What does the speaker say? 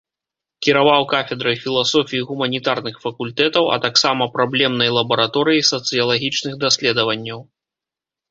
Кіраваў кафедрай філасофіі гуманітарных факультэтаў, а так сама праблемнай лабараторыяй сацыялагічных даследаванняў.